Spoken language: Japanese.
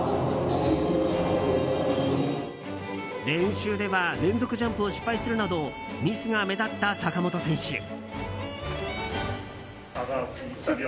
練習では連続ジャンプを失敗するなどミスが目立った坂本選手。